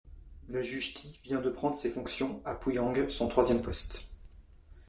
Le Juge Ti vient de prendre ses fonctions à Pou-yang, son troisième poste.